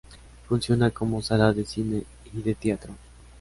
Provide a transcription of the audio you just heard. Funciona como sala de cine y de teatro.